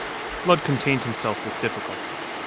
Blood contained himself with difficulty.